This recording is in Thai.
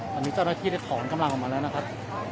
ตอนนี้เจ้าหน้าที่ได้ถอนกำลังออกมาแล้วนะครับ